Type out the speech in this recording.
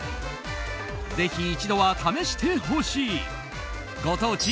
ぜひ一度は試してほしいご当地